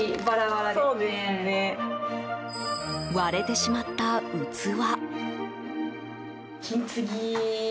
割れてしまった器。